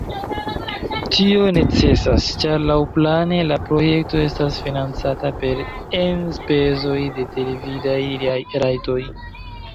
Tio necesas, ĉar laŭplane la projekto estos financata per enspezoj de televidaj rajtoj.